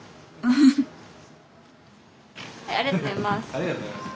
ありがとうございます。